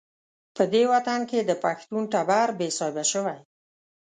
په دې وطن کې د پښتون ټبر بې صاحبه شوی.